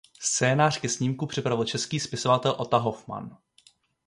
Scénář ke snímku připravil český spisovatel Ota Hofman.